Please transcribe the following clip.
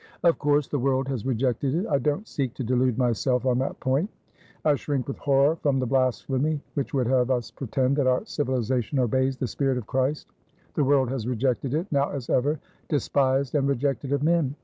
Of course the world has rejected it; I don't seek to delude myself on that point; I shrink with horror from the blasphemy which would have us pretend that our civilisation obeys the spirit of Christ. The world has rejected it. Now as ever, 'despised and rejected of men.'